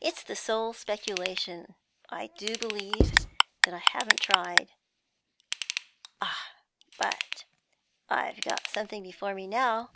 It's the sole speculation, I do believe, that I haven't tried. Ah, but I've got something before me now!